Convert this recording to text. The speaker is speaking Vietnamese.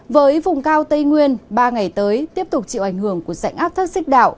với vùng cao tây nguyên ba ngày tới tiếp tục chịu ảnh hưởng của dạnh áp thất xích đạo